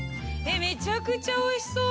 めちゃくちゃおいしそう！